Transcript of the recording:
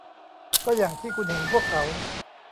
ก็อย่างที่คุณเห็นพวกเขา